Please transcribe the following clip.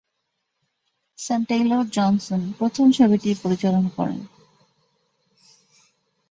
Sam Taylor Johnson প্রথম ছবিটি পরিচালনা করেন।